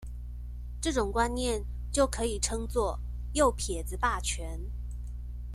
這種觀念就可以稱作「右撇子霸權」